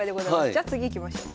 じゃあ次いきましょう。